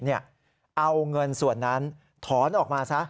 เอาเงินส่วนนั้นถอนออกมาซะ